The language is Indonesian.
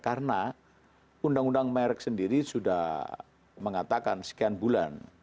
karena undang undang merek sendiri sudah mengatakan sekian bulan